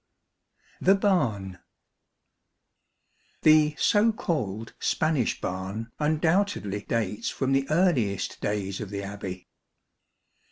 The Barn. The so called Spanish Barn undoubtedly dates from the earliest, days of the Abbey.